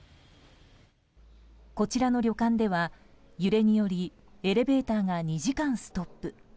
こちらの旅館では揺れによりエレベーターが２時間ストップ。